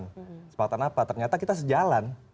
kesempatan apa ternyata kita sejalan